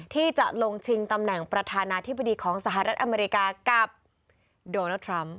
ที่จะลงชิงตำแหน่งประธานาธิบดีของสหรัฐอเมริกากับโดนัลดทรัมป